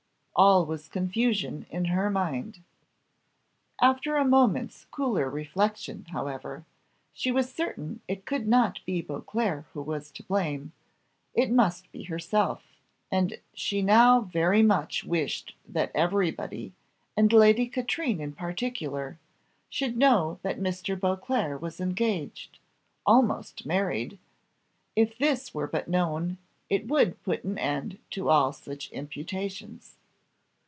All was confusion in her mind. After a moment's cooler reflection, however, she was certain it could not be Beauclerc who was to blame it must be herself, and she now very much wished that every body, and Lady Katrine in particular, should know that Mr. Beauclerc was engaged almost married; if this were but known, it would put an end to all such imputations.